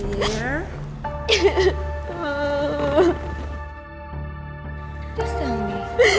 tolong beritahu aku